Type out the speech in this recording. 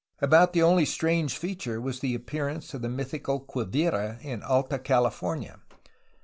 About the only strange feature was the appearance of the mythical Quivira in Alta California.